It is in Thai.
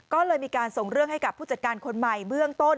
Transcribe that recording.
ก็เลยมีการส่งเรื่องให้กับผู้จัดการคนใหม่เบื้องต้น